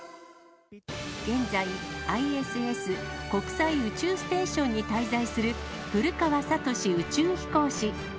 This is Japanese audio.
現在、ＩＳＳ・国際宇宙ステーションに滞在する古川聡宇宙飛行士。